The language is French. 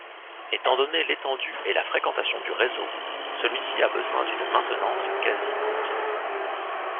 Étant donné l'étendue et la fréquentation du réseau, celui-ci a besoin d'une maintenance quasi-continue.